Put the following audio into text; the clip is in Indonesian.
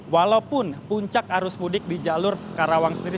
walaupun puncak arus mudik di jalur karawang sendiri